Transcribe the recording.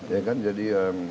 ya kan jadi